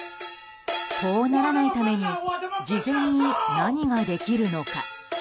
こうならないために事前に何ができるのか？